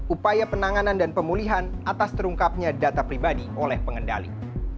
upaya penanganan dan pemulihan atas terungkapnya data pribadi oleh pengendali